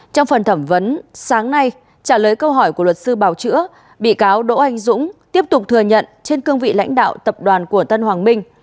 trong phần thẩm vấn sáng nay trả lời câu hỏi của luật sư bào chữa bị cáo đỗ anh dũng tiếp tục thừa nhận trên cương vị lãnh đạo tập đoàn của tân hoàng minh